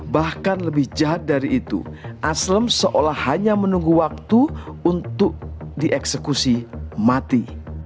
bahkan lebih jahat dari itu aslem seolah hanya menunggu waktu untuk dieksekusi mati